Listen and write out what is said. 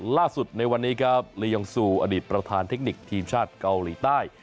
ล่าสุดในวันนี้ครับลียองซูอดีตประธานเทคนิคทีมชาติเกาหลีใต้